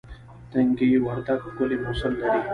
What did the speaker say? تنگي وردک ښکلی موسم لري